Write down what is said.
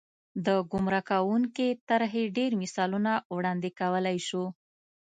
د ګمراه کوونکې طرحې ډېر مثالونه وړاندې کولای شو.